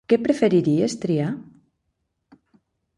Què preferiries triar?